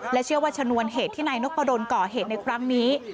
เชื่อว่าชนวนเหตุที่นายนพดลก่อเหตุในครั้งนี้